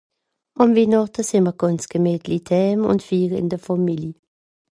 A Noël on est tranquillement chez nous et on fête en famille